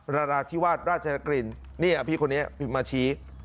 รฌาธิวาทราชินต์กลินนี่ภีร์คนนี้มาชี้